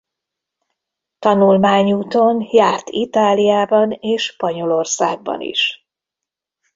Tanulmányúton járt Itáliában és Spanyolországban is.